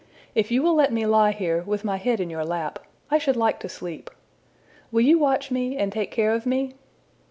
If you will let me lie here, with my head in your lap, I should like to sleep. Will you watch me, and take care of me?''